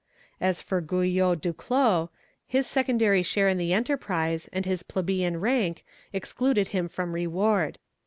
As for Guyot Duclos, his secondary share in the enterprise, and his plebeian rank, excluded him from reward.